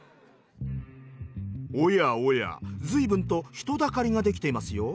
おやおや随分と人だかりができてますよ。